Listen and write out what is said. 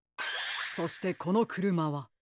そしてこのくるまは。